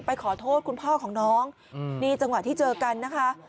ขอโทษคุณพ่อของน้องนี่จังหวะที่เจอกันนะคะ